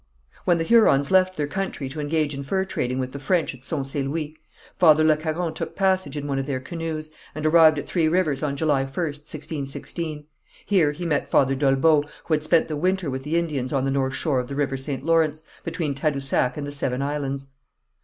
When the Hurons left their country to engage in fur trading with the French at Sault St. Louis, Father Le Caron took passage in one of their canoes, and arrived at Three Rivers on July 1st, 1616. Here he met Father d'Olbeau, who had spent the winter with the Indians on the north shore of the river St. Lawrence, between Tadousac and the Seven Islands.